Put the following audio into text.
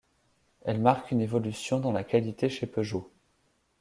Elle marque une évolution dans la qualité chez Peugeot.